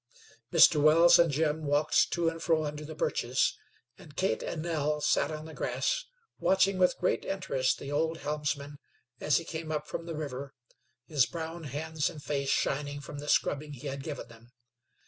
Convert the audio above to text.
Mr. Wells and Jim walked to and fro under the birches, and Kate and Nell sat on the grass watching with great interest the old helmsman as he came up from the river, his brown hands and face shining from the scrubbing he had given them.